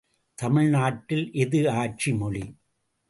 தமிழ் நாட்டில் எது ஆட்சி மொழி?